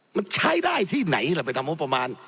มันใช้ได้ที่ไหนล่ะไปทำงบประมาณ